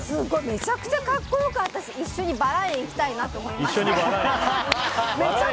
めちゃくちゃ格好良かったし一緒にバラ園行きたいなと思いました。